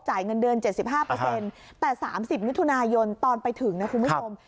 เงินเดือน๗๕แต่๓๐มิถุนายนตอนไปถึงนะคุณผู้ชม